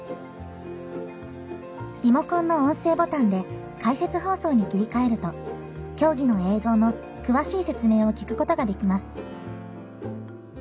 リモコンの音声ボタンで解説放送に切り替えると競技の映像の詳しい説明を聞くことができます。